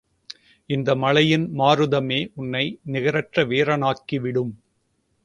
இந்த மலையின் மாருதமே உன்னை நிகரற்ற வீரனாக்கிவிடும்.